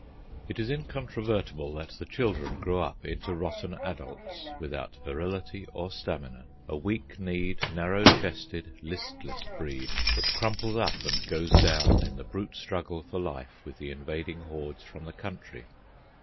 It is incontrovertible that the children grow up into rotten adults, without virility or stamina, a weak kneed, narrow chested, listless breed, that crumples up and goes down in the brute struggle for life with the invading hordes from the country.